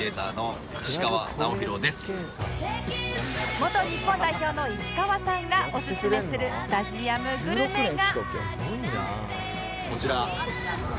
元日本代表の石川さんがおすすめするスタジアムグルメが